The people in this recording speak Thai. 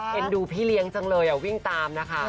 เอ็นดูพี่เลี้ยงจังเลยวิ่งตามนะคะ